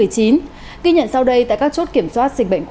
covid một mươi chín trên địa bàn thành phố biên hòa